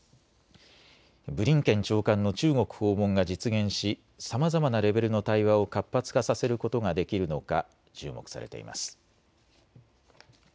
ブリンケン長官の中国訪問が実現し、さまざまなレベルの対話を活発化させることができるのか、注目されています。